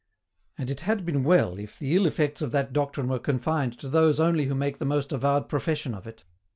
And it had been well if the ill effects of that doctrine were confined to those only who make the most avowed profession of it.